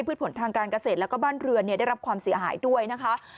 ผลทางการเกษตรแล้วก็บ้านเรือนได้รับความเสียหายด้วยนะคะ